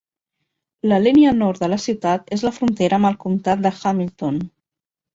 La línia nord de la ciutat és la frontera amb el comtat de Hamilton.